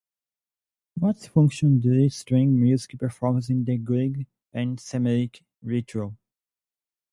What function did string music perform in the Greek and Semitic ritual.